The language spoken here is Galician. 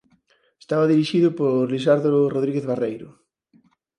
Estaba dirixido por Lisardo Rodríguez Barreiro.